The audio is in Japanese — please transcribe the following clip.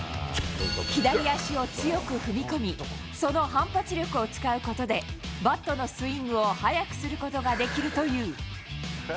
左足を強く踏み込み、その反発力を使うことで、バットのスイングを速くすることができるという。